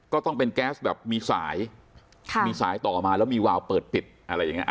ก็ต้องเป็นแก๊สแบบมีสายมีสายต่อมาแล้วมีวาวเปิดปิดอะไรอย่างนี้